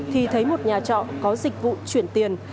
thì thấy một nhà trọ có dịch vụ chuyển tiền